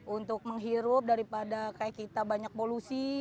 untuk menghirup daripada kayak kita banyak polusi